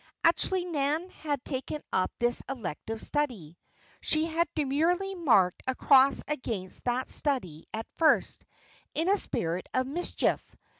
Actually, Nan had taken up this elective study. She had demurely marked a cross against that study at first, in a spirit of mischief.